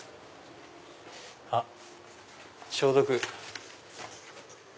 あっ消毒。